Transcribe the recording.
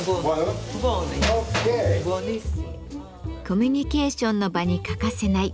「コミュニケーションの場に欠かせない」